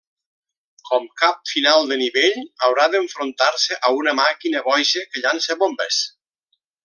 Com cap final de nivell, haurà d'enfrontar-se a una màquina boja que llança bombes.